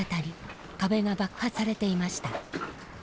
壁が爆破されていました。